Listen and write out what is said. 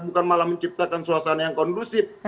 bukan malah menciptakan suasana yang kondusif